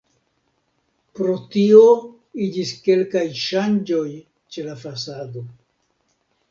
Pro tio iĝis kelkaj ŝanĝoj ĉe la fasado.